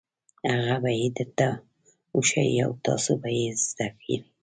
هغه به یې درته وښيي او تاسو به یې زده کړئ.